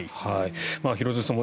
廣津留さん